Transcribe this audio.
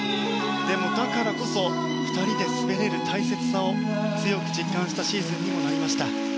でもだからこそ２人で滑べれる大切さを強く実感したシーズンにもなりました。